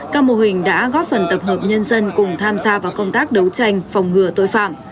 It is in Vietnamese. các mô hình đã góp phần tập hợp nhân dân cùng tham gia vào công tác đấu tranh phòng ngừa tội phạm